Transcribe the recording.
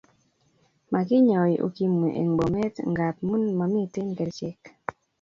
Mokinyae ukimu en Bomet ngamun mamiten kerichek